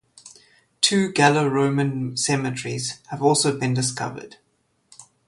Two Gallo-Roman cemeteries have also been discovered.